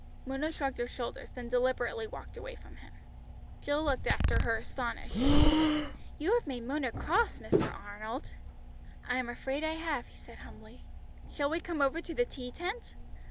Mona shrugged her shoulders, then deliberately walked away from him. Jill looked after her astonished. "You have made Mona cross, Mr. Arnold." "I am afraid I have," he said humbly. "Shall we come over to the tea tent?"